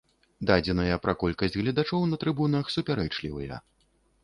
Дадзеныя пра колькасць гледачоў на трыбунах супярэчлівыя.